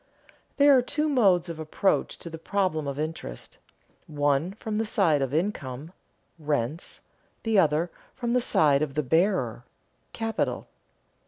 _There are two modes of approach to the problem of interest: one from the side of income (rents); the other, from the side of the bearer (capital).